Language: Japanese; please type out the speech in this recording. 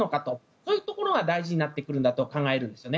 そういうところが大事になってくるんだと考えるんですよね。